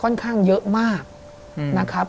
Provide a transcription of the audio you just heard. ค่อนข้างเยอะมากนะครับ